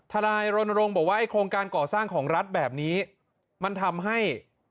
นายรณรงค์บอกว่าไอโครงการก่อสร้างของรัฐแบบนี้มันทำให้